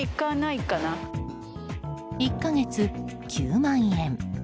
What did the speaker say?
１か月９万円。